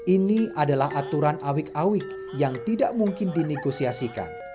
ini adalah aturan awik awik yang tidak mungkin dinegosiasikan